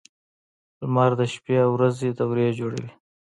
• لمر د شپې او ورځې دورې جوړوي.